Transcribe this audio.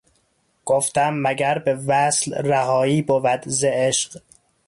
گفتم مگر به وصل رهایی بود ز عشق